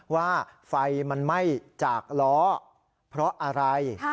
ว่าไฟมันไหม้จากล้อเพราะอะไร